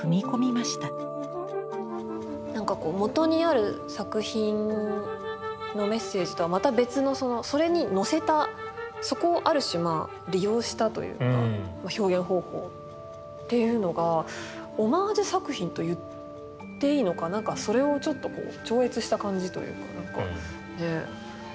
なんかこうもとにある作品のメッセージとはまた別のそれにのせたそこをある種利用したというか表現方法っていうのがオマージュ作品と言っていいのかなんかそれをちょっと超越した感じというかなんかねえ。